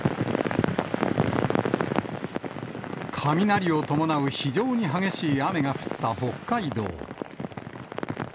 雷を伴う非常に激しい雨が降った北海道。